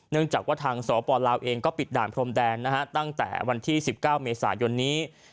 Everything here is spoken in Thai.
จากว่าทางสปลาวเองก็ปิดด่านพรมแดนนะฮะตั้งแต่วันที่๑๙เมษายนนี้